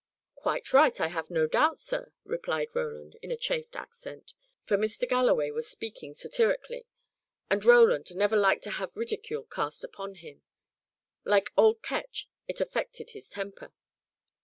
"Quite right, I have no doubt, sir," replied Roland, in a chafed accent, for Mr. Galloway was speaking satirically, and Roland never liked to have ridicule cast upon him. Like old Ketch, it affected his temper.